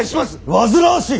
煩わしい！